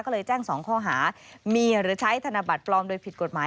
ก็เลยแจ้ง๒ข้อหามีหรือใช้ธนบัตรปลอมโดยผิดกฎหมาย